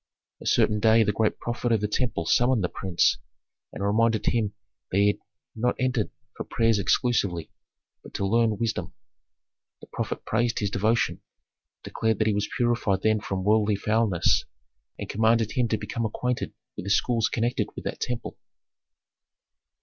A certain day the great prophet of the temple summoned the prince, and reminded him that he had not entered for prayers exclusively, but to learn wisdom. The prophet praised his devotion, declared that he was purified then from worldly foulness, and commanded him to become acquainted with the schools connected with that temple.